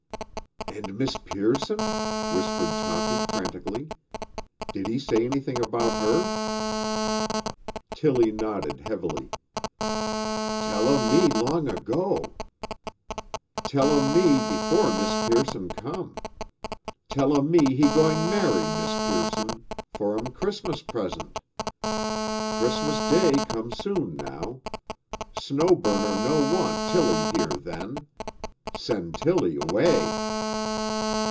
"And Miss Pearson?" whispered Toppy frantically. "Did he say anything about her?" Tilly nodded heavily. "Tell um me long 'go. Tell um me before Miss Pearson come. Tell um me he going marry Miss Pearson for um Christmas present. Christmas Day come soon now. Snow Burner no want Tilly here then. Send Tilly 'way."